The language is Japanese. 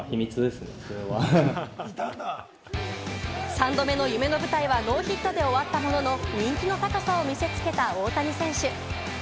３度目の夢の舞台はノーヒットで終わったものの、人気の高さを見せつけた大谷選手。